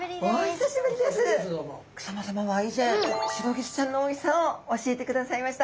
草間さまは以前シロギスちゃんのおいしさを教えてくださいました。